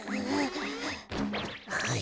はい。